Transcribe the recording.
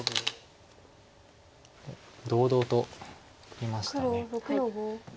堂々とノビました。